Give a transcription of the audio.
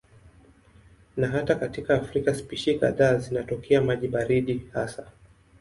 Na hata katika Afrika spishi kadhaa zinatokea maji baridi hasa.